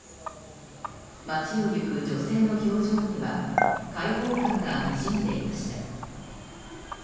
街を行く女性の表情には開放感がにじんでいました。